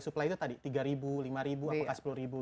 supply itu tadi tiga ribu lima ribu apakah sepuluh ribu